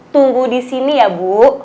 tunggu di sini ya bu